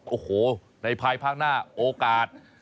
โอ้โหในภายภาคหน้าโอกาส